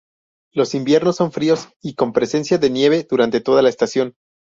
Los inviernos son fríos y con presencia de nieve durante toda la estación.